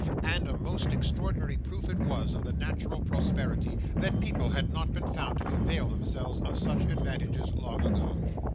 And a most extraordinary proof it was of the national prosperity, that people had not been found to avail themselves of such advantages long ago.